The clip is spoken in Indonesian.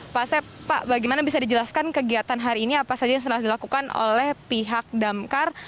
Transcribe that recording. pak asep pak bagaimana bisa dijelaskan kegiatan hari ini apa saja yang telah dilakukan oleh pihak damkar